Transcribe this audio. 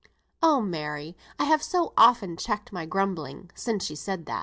"' Oh, Mary, I have so often checked my grumbling sin' she said that."